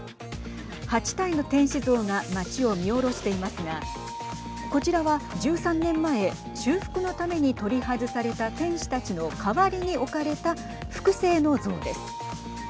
８体の天使像が街を見下ろしていますがこちらは１３年前修復のために取り外された天使たちの代わりに置かれた複製の像です。